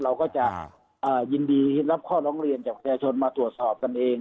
เราก็จะยินดีรับข้อร้องเรียนจากประชาชนมาตรวจสอบกันเอง